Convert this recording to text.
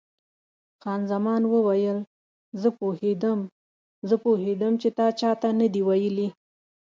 خان زمان وویل: زه پوهېدم، زه پوهېدم چې تا چا ته نه دي ویلي.